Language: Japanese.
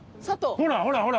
ほらほらほら！